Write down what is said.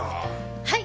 はい！